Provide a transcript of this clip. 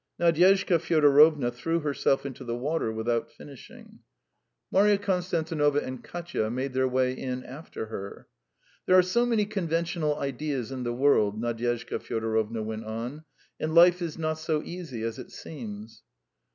..." Nadyezhda Fyodorovna threw herself into the water without finishing; Marya Konstantinovna and Katya made their way in after her. "There are so many conventional ideas in the world," Nadyezhda Fyodorovna went on, "and life is not so easy as it seems."